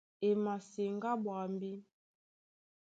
E maseŋgá ɓwambí.